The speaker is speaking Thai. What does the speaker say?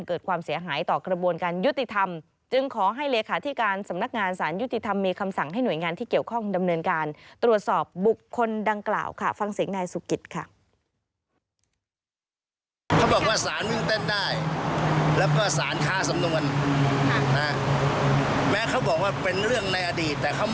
ที่เกิดขึ้นต้องไงจะเกิดขึ้นกับผู้สายบ้างค่ะ